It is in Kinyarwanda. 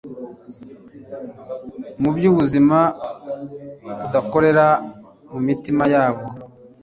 mu by'ubuzima budakorera mu mitima yabo